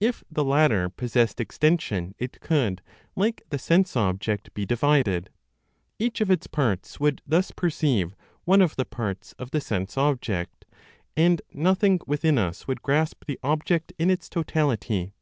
If the latter possessed extension, it could, like the sense object, be divided; each of its parts would thus perceive one of the parts of the sense object, and nothing within us would grasp the object in its totality.